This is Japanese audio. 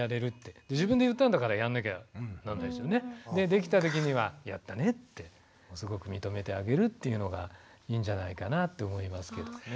できた時には「やったね」ってすごく認めてあげるっていうのがいいんじゃないかなと思いますけどね。